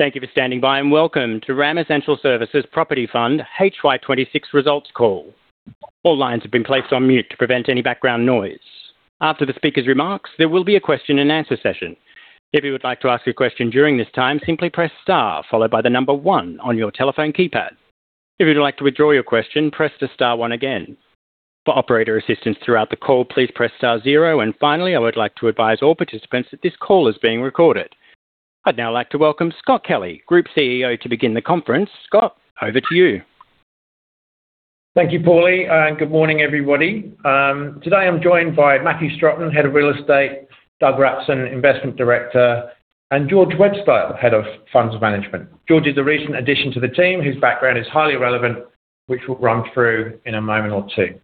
Thank you for standing by, and welcome to RAM Essential Services Property Fund HY26 results call. All lines have been placed on mute to prevent any background noise. After the speaker's remarks, there will be a question and answer session. If you would like to ask a question during this time, simply press star, followed by one on your telephone keypad. If you'd like to withdraw your question, press star one again. For operator assistance throughout the call, please press star zero, and finally, I would like to advise all participants that this call is being recorded. I'd now like to welcome Scott Kelly, Group CEO, to begin the conference. Scott, over to you. Thank you, Paulie, good morning, everybody. Today, I'm joined by Matthew Strotton, Head of Real Estate, Doug Rapson, Investment Director, and George Websdale, Head of Funds Management. George is a recent addition to the team, whose background is highly relevant, which we'll run through in a moment or two.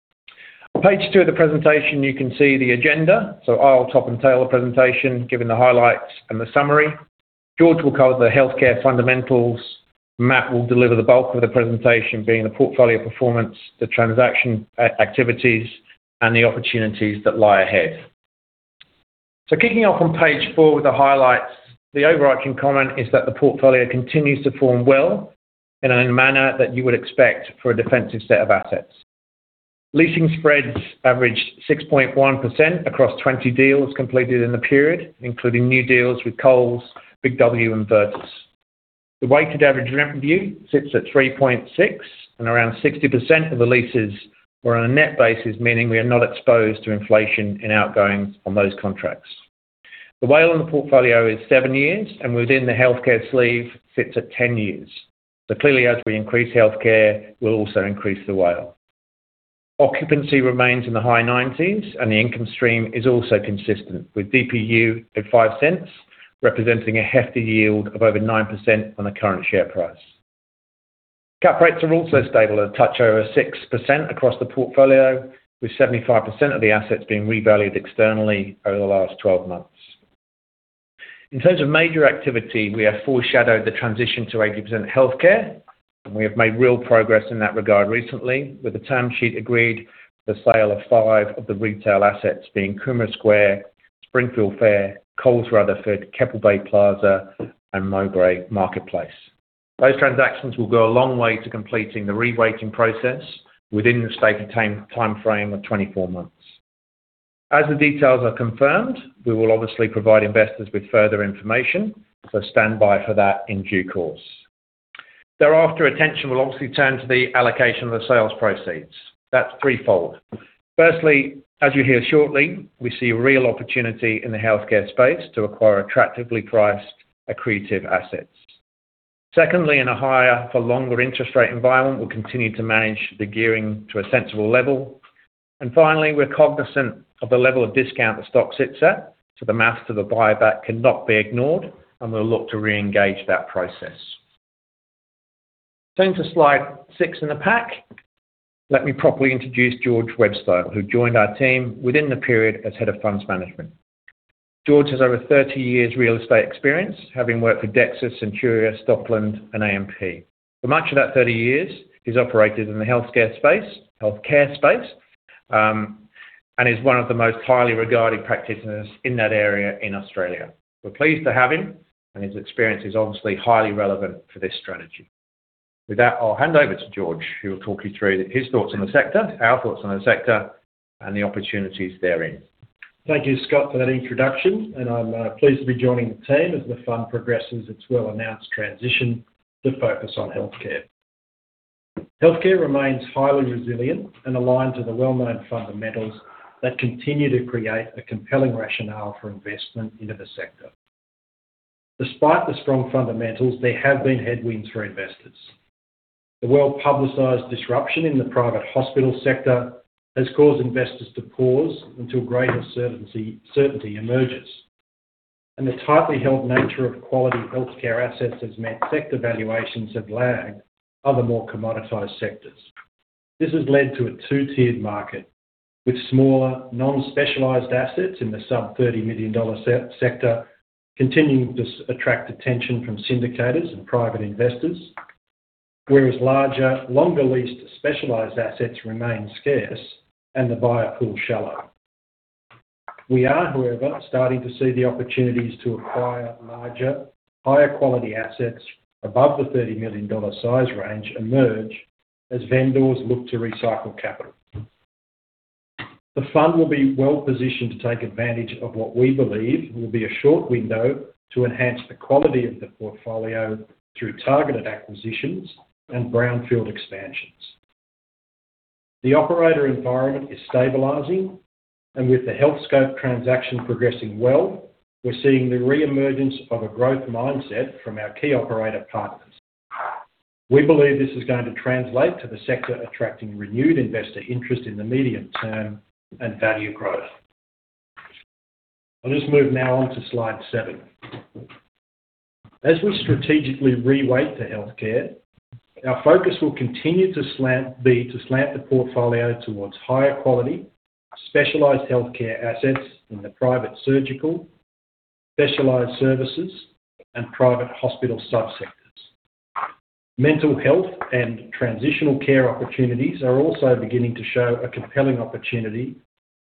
On page two of the presentation, you can see the agenda. I'll top and tail the presentation, giving the highlights and the summary. George will cover the healthcare fundamentals. Matt will deliver the bulk of the presentation, being the portfolio performance, the transaction activities, and the opportunities that lie ahead. Kicking off on page four with the highlights, the overarching comment is that the portfolio continues to form well in a manner that you would expect for a defensive set of assets. Leasing spreads averaged 6.1% across 20 deals completed in the period, including new deals with Coles, Big W, and [Vicinity]. The weighted average rent review sits at 3.6, around 60% of the leases were on a net basis, meaning we are not exposed to inflation in outgoings on those contracts. The WALE on the portfolio is seven years, within the healthcare sleeve, sits at 10 years. Clearly, as we increase healthcare, we'll also increase the WALE. Occupancy remains in the high 90s, the income stream is also consistent, with DPU at 0.05, representing a hefty yield of over 9% on the current share price. Cap rates are also stable, at a touch over 6% across the portfolio, with 75% of the assets being revalued externally over the last 12 months. In terms of major activity, we have foreshadowed the transition to 80% healthcare. We have made real progress in that regard recently, with the term sheet agreed the sale of five of the retail assets, being Coomera Square, Springfield Fair, Coles Rutherford, Keppel Bay Plaza, and Mowbray Marketplace. Those transactions will go a long way to completing the reweighting process within the stated time, timeframe of 24 months. As the details are confirmed, we will obviously provide investors with further information. Stand by for that in due course. Thereafter, attention will obviously turn to the allocation of the sales proceeds. That's threefold. Firstly, as you'll hear shortly, we see a real opportunity in the healthcare space to acquire attractively priced accretive assets. Secondly, in a higher-for-longer interest rate environment, we'll continue to manage the gearing to a sensible level. Finally, we're cognizant of the level of discount the stock sits at. The maths of the buyback cannot be ignored. We'll look to reengage that process. Turning to slide six in the pack, let me properly introduce George Websdale, who joined our team within the period as Head of Funds Management. George has over 30 years real estate experience, having worked with Dexus, Centuria, Stockland, and AMP. For much of that 30 years, he's operated in the healthcare space, and is one of the most highly regarded practitioners in that area in Australia. We're pleased to have him. His experience is obviously highly relevant for this strategy. With that, I'll hand over to George, who will talk you through his thoughts on the sector, our thoughts on the sector, and the opportunities therein. Thank you, Scott, for that introduction. I'm pleased to be joining the team as the firm progresses its well-announced transition to focus on healthcare. Healthcare remains highly resilient and aligned to the well-known fundamentals that continue to create a compelling rationale for investment into the sector. Despite the strong fundamentals, there have been headwinds for investors. The well-publicized disruption in the private hospital sector has caused investors to pause until greater certainty emerges. The tightly held nature of quality healthcare assets has meant sector valuations have lagged other more commoditized sectors. This has led to a two-tiered market, with smaller, non-specialized assets in the sub 30 million sector continuing to attract attention from syndicators and private investors, whereas larger, longer-leased, specialized assets remain scarce and the buyer pool shallow. We are, however, starting to see the opportunities to acquire larger, higher quality assets above the 30 million dollar size range emerge as vendors look to recycle capital. The fund will be well-positioned to take advantage of what we believe will be a short window to enhance the quality of the portfolio through targeted acquisitions and brownfield expansions. The operator environment is stabilizing. With the Healthscope transaction progressing well, we're seeing the reemergence of a growth mindset from our key operator partners. We believe this is going to translate to the sector, attracting renewed investor interest in the medium term and value growth. I'll just move now on to slide seven. As we strategically reweight to healthcare, our focus will continue to be, to slant the portfolio towards higher quality, specialized healthcare assets in the private surgical, specialized services, and private hospital subsectors. Mental health and transitional care opportunities are also beginning to show a compelling opportunity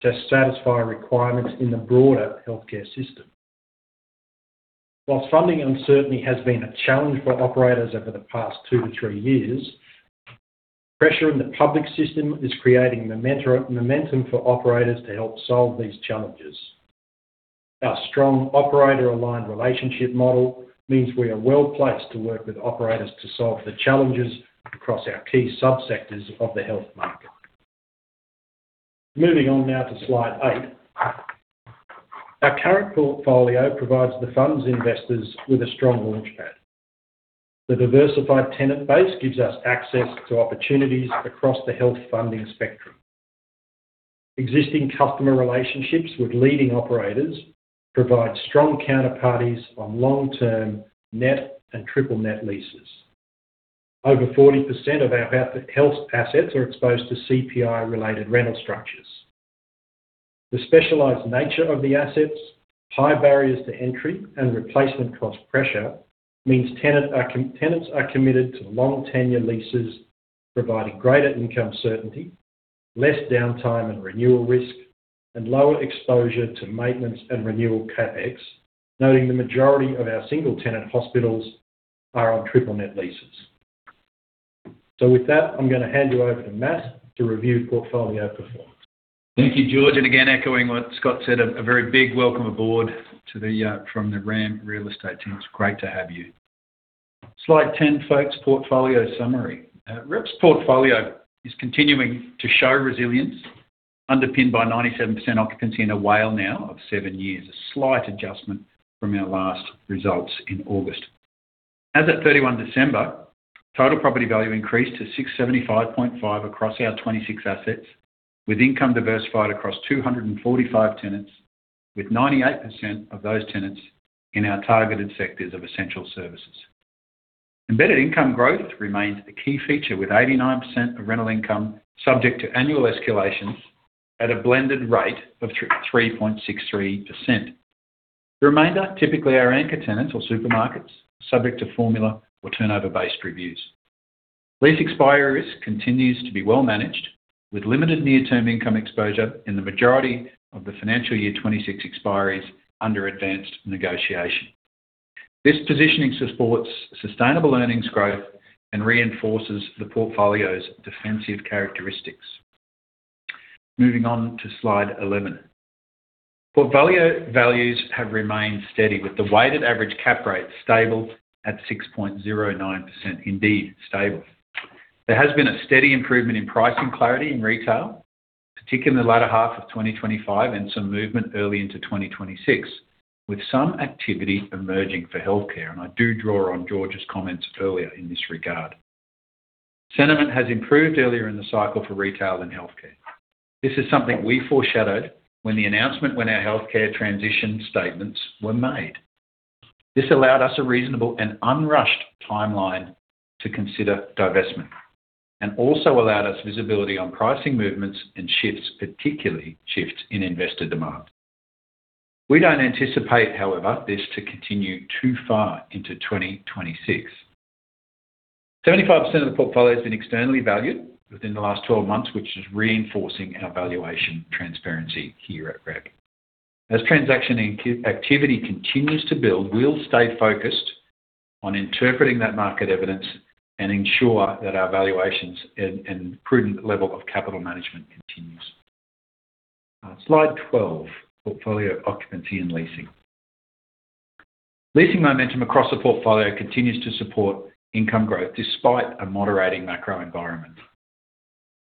to satisfy requirements in the broader healthcare system. Whilst funding uncertainty has been a challenge for operators over the past two to three years, pressure in the public system is creating momentum for operators to help solve these challenges. Our strong operator-aligned relationship model means we are well-placed to work with operators to solve the challenges across our key subsectors of the health market. Moving on now to slide eight. Our current portfolio provides the fund's investors with a strong launchpad. The diversified tenant base gives us access to opportunities across the health funding spectrum. Existing customer relationships with leading operators provide strong counterparties on long-term net and triple net leases. Over 40% of our health assets are exposed to CPI-related rental structures. The specialized nature of the assets, high barriers to entry, and replacement cost pressure means tenants are committed to long-tenure leases, providing greater income certainty, less downtime and renewal risk, and lower exposure to maintenance and renewal CapEx, noting the majority of our single-tenant hospitals are on triple net leases. With that, I'm going to hand you over to Matt to review portfolio performance. Thank you, George, and again, echoing what Scott said, a very big welcome aboard to the from the RAM Real Estate team. It's great to have you. Slide 10, folks: Portfolio summary. REP's portfolio is continuing to show resilience, underpinned by 97% occupancy and a WALE now of seven years, a slight adjustment from our last results in August. As at 31 December, total property value increased to 675.5 across our 26 assets, with income diversified across 245 tenants, with 98% of those tenants in our targeted sectors of essential services. Embedded income growth remains a key feature, with 89% of rental income subject to annual escalations at a blended rate of 3.63%. The remainder, typically our anchor tenants or supermarkets, subject to formula or turnover-based reviews. Lease expiry risk continues to be well managed, with limited near-term income exposure in the majority of the financial year 26 expiries under advanced negotiation. This positioning supports sustainable earnings growth and reinforces the portfolio's defensive characteristics. Moving on to slide 11. Portfolio values have remained steady, with the weighted average cap rate stable at 6.09%. Indeed, stable. There has been a steady improvement in pricing clarity in retail, particularly in the latter half of 2025, and some movement early into 2026, with some activity emerging for healthcare. I do draw on George's comments earlier in this regard. Sentiment has improved earlier in the cycle for retail and healthcare. This is something we foreshadowed when our healthcare transition statements were made. This allowed us a reasonable and unrushed timeline to consider divestment, and also allowed us visibility on pricing movements and shifts, particularly shifts in investor demand. We don't anticipate, however, this to continue too far into 2026. 75% of the portfolio has been externally valued within the last 12 months, which is reinforcing our valuation transparency here at REP. As transaction activity continues to build, we'll stay focused on interpreting that market evidence and ensure that our valuations and prudent level of capital management continues. Slide 12, Portfolio Occupancy and Leasing. Leasing momentum across the portfolio continues to support income growth, despite a moderating macro environment.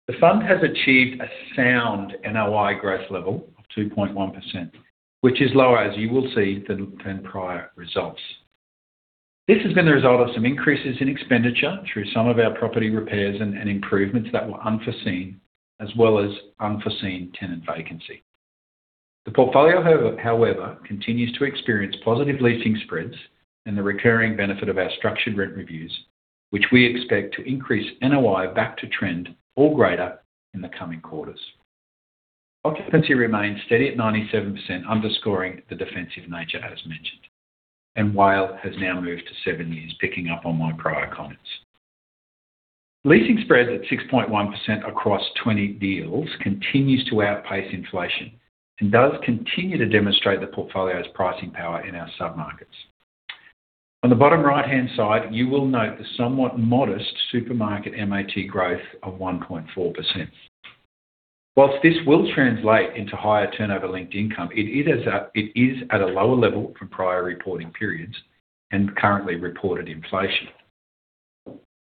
The fund has achieved a sound NOI growth level of 2.1%, which is lower, as you will see, than prior results. This has been the result of some increases in expenditure through some of our property repairs and improvements that were unforeseen, as well as unforeseen tenant vacancy. The portfolio, however, continues to experience positive leasing spreads and the recurring benefit of our structured rent reviews, which we expect to increase NOI back to trend or greater in the coming quarters. Occupancy remains steady at 97%, underscoring the defensive nature, as mentioned, and WALE has now moved to seven years, picking up on my prior comments. Leasing spreads at 6.1% across 20 deals continues to outpace inflation and does continue to demonstrate the portfolio's pricing power in our submarkets. On the bottom right-hand side, you will note the somewhat modest supermarket MAT growth of 1.4%. Whilst this will translate into higher turnover linked income, it is at a lower level from prior reporting periods and currently reported inflation.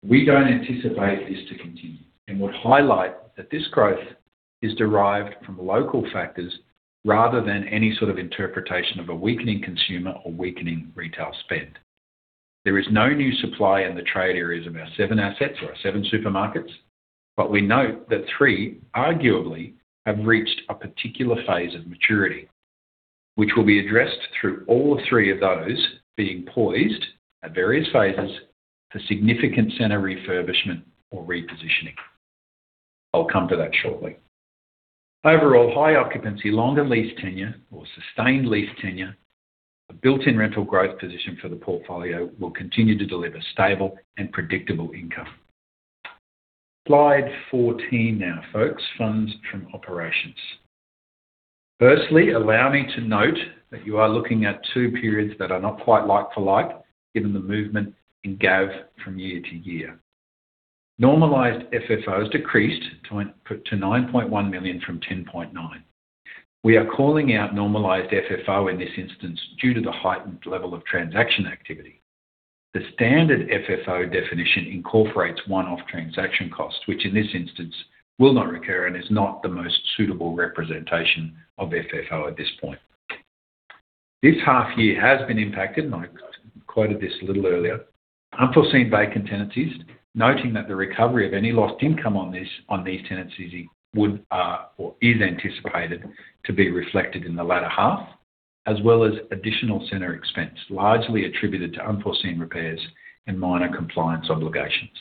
We don't anticipate this to continue and would highlight that this growth is derived from local factors rather than any sort of interpretation of a weakening consumer or weakening retail spend. There is no new supply in the trade areas of our seven assets or our seven supermarkets, but we note that three arguably have reached a particular phase of maturity, which will be addressed through all three of those being poised at various phases for significant center refurbishment or repositioning. I'll come to that shortly. Overall, high occupancy, longer lease tenure or sustained lease tenure, a built-in rental growth position for the portfolio will continue to deliver stable and predictable income. Slide 14 now, folks, funds from operations. Firstly, allow me to note that you are looking at two periods that are not quite like for like, given the movement in GAAP from year to year. Normalized FFOs decreased to 9.1 million from 10.9 million. We are calling out normalized FFO in this instance, due to the heightened level of transaction activity. The standard FFO definition incorporates one-off transaction costs, which in this instance will not recur and is not the most suitable representation of FFO at this point. This half year has been impacted, I quoted this a little earlier. Unforeseen vacant tenancies, noting that the recovery of any lost income on these tenancies would or is anticipated to be reflected in the latter half, as well as additional center expense, largely attributed to unforeseen repairs and minor compliance obligations.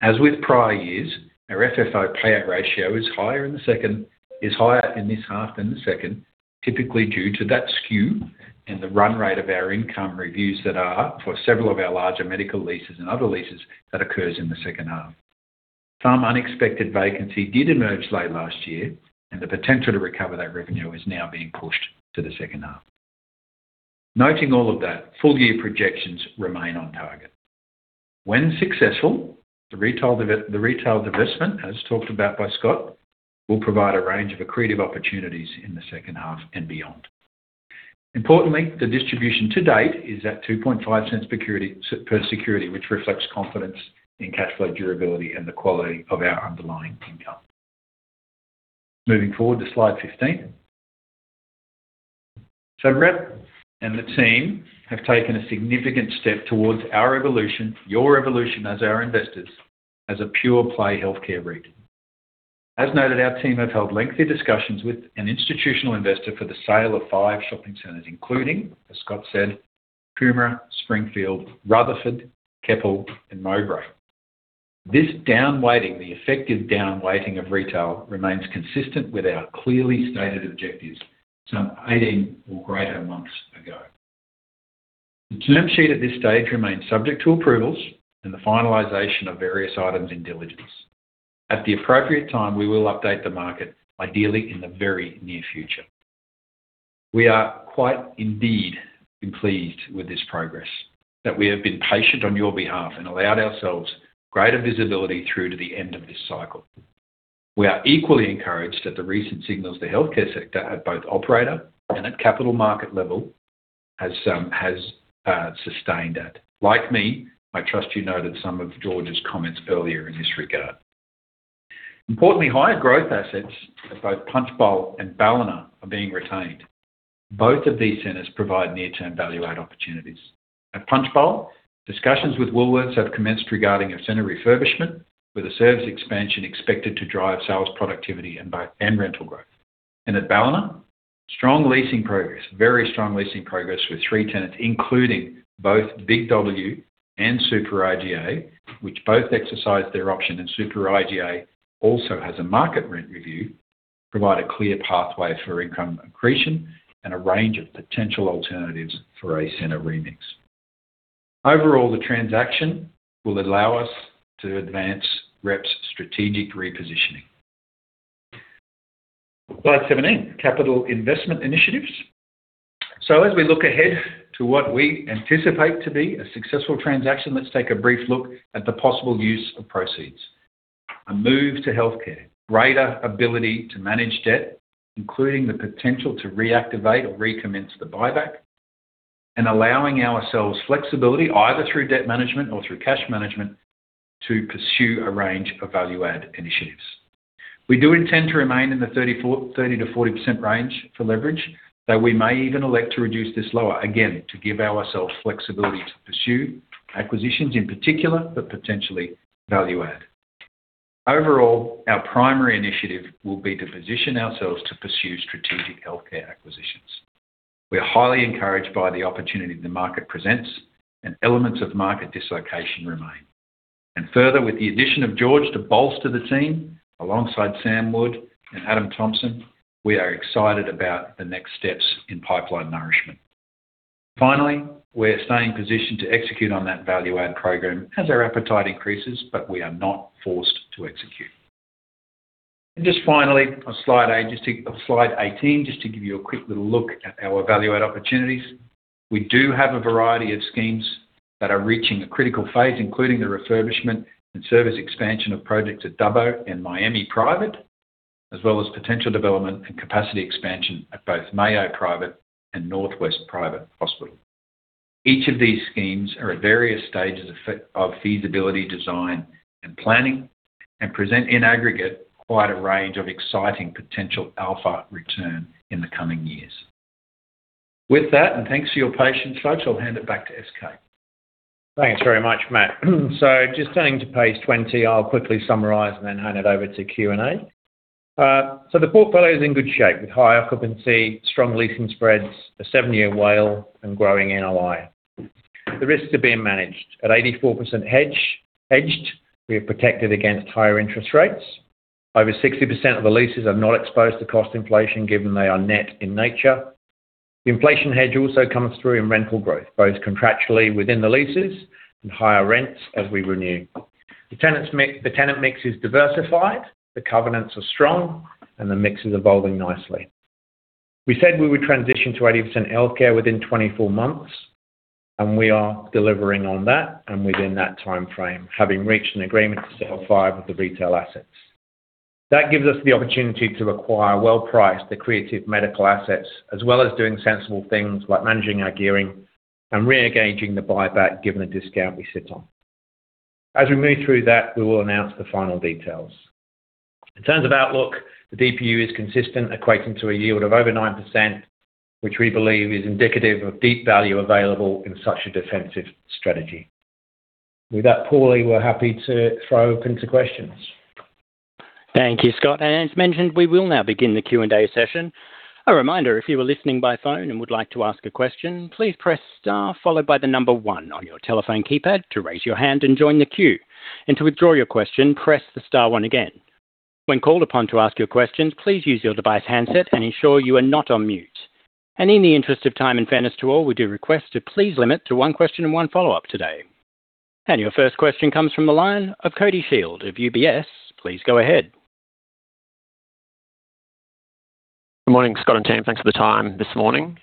As with prior years, our FFO payout ratio is higher in this half than the second, typically due to that skew and the run rate of our income reviews that are for several of our larger medical leases and other leases that occurs in the second half. Some unexpected vacancy did emerge late last year, the potential to recover that revenue is now being pushed to the second half. Noting all of that, full year projections remain on target. When successful, the retail divestment, as talked about by Scott, will provide a range of accretive opportunities in the second half and beyond. Importantly, the distribution to date is at 0.025 per security, which reflects confidence in cash flow durability and the quality of our underlying income. Moving forward to slide 15. REP and the team have taken a significant step towards our evolution, your evolution as our investors, as a pure play healthcare REIT. As noted, our team have held lengthy discussions with an institutional investor for the sale of five shopping centers, including, as Scott said, Coomera, Springfield, Rutherford, Keppel and Mowbray. This down weighting, the effective down weighting of retail, remains consistent with our clearly stated objectives some 18 or greater months ago. The term sheet at this stage remains subject to approvals and the finalization of various items in diligence. At the appropriate time, we will update the market, ideally in the very near future. We are quite indeed pleased with this progress, that we have been patient on your behalf and allowed ourselves greater visibility through to the end of this cycle. We are equally encouraged at the recent signals the healthcare sector at both operator and at capital market level has sustained at. Like me, I trust you noted some of George's comments earlier in this regard. Importantly, higher growth assets at both Punchbowl and Ballina are being retained. Both of these centers provide near-term value add opportunities. At Punchbowl, discussions with Woolworths have commenced regarding a center refurbishment, with a service expansion expected to drive sales, productivity, and rental growth. At Ballina, very strong leasing progress with three tenants, including both Big W and Super IGA, which both exercised their option, and Super IGA also has a market rent review, provide a clear pathway for income accretion and a range of potential alternatives for a center remix. Overall, the transaction will allow us to advance REP's strategic repositioning. Slide 17, capital investment initiatives. As we look ahead to what we anticipate to be a successful transaction, let's take a brief look at the possible use of proceeds. A move to healthcare, greater ability to manage debt, including the potential to reactivate or recommence the buyback, and allowing ourselves flexibility, either through debt management or through cash management, to pursue a range of value-add initiatives. We do intend to remain in the 30%-40% range for leverage, though we may even elect to reduce this lower, again, to give ourselves flexibility to pursue acquisitions in particular, but potentially value add. Overall, our primary initiative will be to position ourselves to pursue strategic healthcare acquisitions. We are highly encouraged by the opportunity the market presents, and elements of market dislocation remain. Further, with the addition of George to bolster the team alongside Sam Wood and Adam Thompson, we are excited about the next steps in pipeline nourishment. Finally, we're staying positioned to execute on that value add program as our appetite increases, but we are not forced to execute. Just finally, on slide 18, just to give you a quick little look at our value add opportunities. We do have a variety of schemes that are reaching a critical phase, including the refurbishment and service expansion of projects at Dubbo and Miami Private, as well as potential development and capacity expansion at both Mayo Private and Northwest Private Hospital. Each of these schemes are at various stages of feasibility, design, and planning, and present in aggregate, quite a range of exciting potential alpha return in the coming years. With that, and thanks for your patience, folks, I'll hand it back to SK. Thanks very much, Matt. Just turning to page 20, I'll quickly summarize and then hand it over to Q&A. The portfolio is in good shape, with high occupancy, strong leasing spreads, a seven-year WALE, and growing NOI. The risks are being managed. At 84% hedged, we are protected against higher interest rates. Over 60% of the leases are not exposed to cost inflation, given they are net in nature. The inflation hedge also comes through in rental growth, both contractually within the leases and higher rents as we renew. The tenant mix is diversified, the covenants are strong, and the mix is evolving nicely. We said we would transition to 80% healthcare within 24 months, and we are delivering on that and within that timeframe, having reached an agreement to sell five of the retail assets. That gives us the opportunity to acquire well-priced, accretive medical assets, as well as doing sensible things like managing our gearing and re-engaging the buyback, given the discount we sit on. We move through that, we will announce the final details. In terms of outlook, the DPU is consistent, equating to a yield of over 9%, which we believe is indicative of deep value available in such a defensive strategy. That, Paulie, we're happy to throw open to questions. Thank you, Scott. As mentioned, we will now begin the Q&A session. A reminder, if you are listening by phone and would like to ask a question, please press star one on your telephone keypad to raise your hand and join the queue. To withdraw your question, press the star one again. When called upon to ask your questions, please use your device handset and ensure you are not on mute. In the interest of time and fairness to all, we do request to please limit to one question and one follow-up today. Your first question comes from the line of Cody Shield of UBS. Please go ahead. Good morning, Scott and team. Thanks for the time this morning.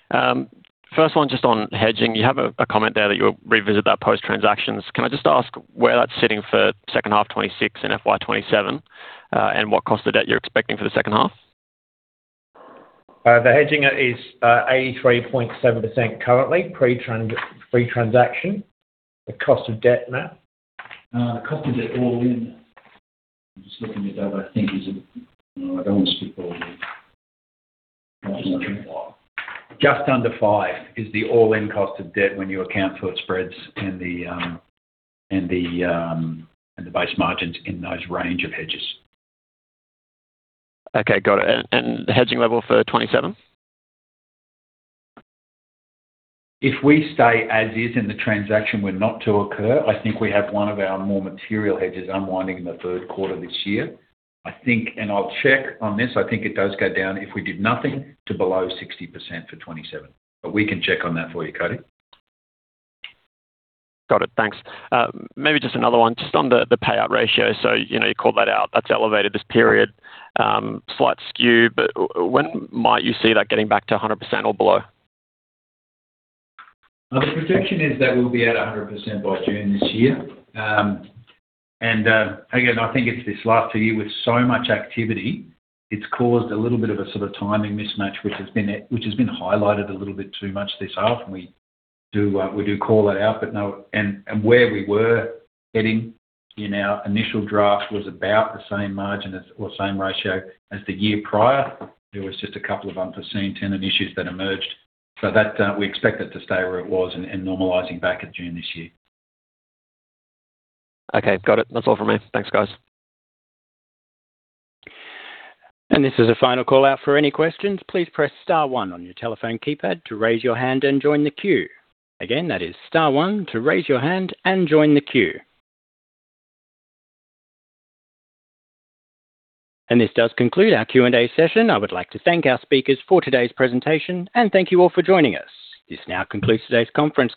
First one, just on hedging. You have a comment there that you'll revisit that post-transactions. Can I just ask where that's sitting for second half 2026 and FY27, and what cost of debt you're expecting for the second half? The hedging is 83.7% currently, pre-transaction. The cost of debt, Matt? The cost of debt all in, I'm just looking it up. I don't want to speak all in. Just under 5% is the all-in cost of debt when you account for its spreads and the base margins in those range of hedges. Okay, got it. The hedging level for 2027? If we stay as is, and the transaction were not to occur, I think we have one of our more material hedges unwinding in the third quarter this year. I think, and I'll check on this, I think it does go down, if we did nothing, to below 60% for 2027, but we can check on that for you, Cody. Got it. Thanks. Maybe just another one, just on the payout ratio. You know, you called that out. That's elevated this period, slight skew, but when might you see that getting back to 100% or below? The projection is that we'll be at 100% by June this year. Again, I think it's this last two year, with so much activity, it's caused a little bit of a sort of timing mismatch, which has been highlighted a little bit too much this half. We do call that out. Where we were heading in our initial draft was about the same margin as, or same ratio as the year prior. There was just a couple of unforeseen tenant issues that emerged. That we expect it to stay where it was and normalizing back in June this year. Okay. Got it. That's all from me. Thanks, guys. This is a final call out for any questions. Please press Star one on your telephone keypad to raise your hand and join the queue. Again, that is Star one to raise your hand and join the queue. This does conclude our Q&A session. I would like to thank our speakers for today's presentation, and thank you all for joining us. This now concludes today's conference.